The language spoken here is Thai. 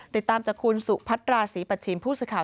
ติดตามจากคุณสุพัดราศรีปัชิมพูดศึก่าว